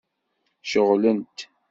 Ceɣlent.